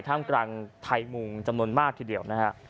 ท่ามกลางไทยมุงจำนวนมากทีเดียวนะฮะ